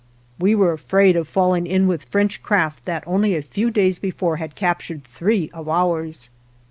We were afraid of falling in with French craft that only a few days before had cap tured three of ours.